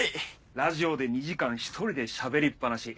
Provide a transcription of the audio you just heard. ラジオで２時間１人でしゃべりっぱなし。